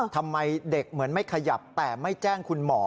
ทำไมเด็กเหมือนไม่ขยับแต่ไม่แจ้งคุณหมอ